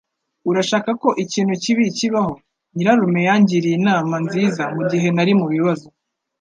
Urashaka ko ikintu kibi kibaho? Nyirarume yangiriye inama nziza mugihe nari mubibazo.